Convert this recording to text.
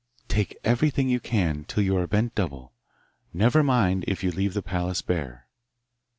'Take everything you can, till you are bent double. Never mind if you leave the palace bare.